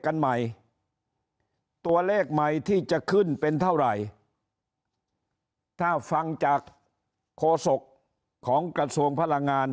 กันใหม่ตัวเลขใหม่ที่จะขึ้นเป็นเท่าไหร่ถ้าฟังจากโคศกของกระทรวงพลังงาน